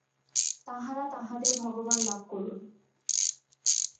তাঁহারা তাঁহাদের ভগবান লাভ করুন।